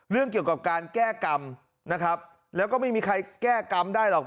เรื่องเกี่ยวกับการแก้กรรมนะครับแล้วก็ไม่มีใครแก้กรรมได้หรอก